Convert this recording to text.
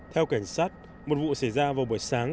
theo cảnh sát một vụ xảy ra vào buổi sáng